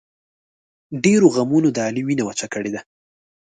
ډېرو غمونو د علي وینه وچه کړې ده.